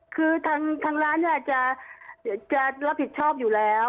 คือทางร้านเนี่ยเดี๋ยวจะรับผิดชอบอยู่แล้ว